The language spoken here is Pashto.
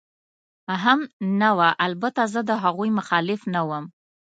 هم نه وه، البته زه د هغوی مخالف نه ووم.